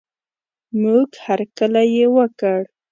موږ هر کلی یې وکړ.